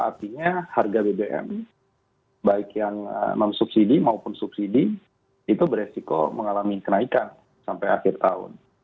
artinya harga bbm baik yang non subsidi maupun subsidi itu beresiko mengalami kenaikan sampai akhir tahun